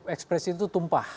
ekspresi itu tumpah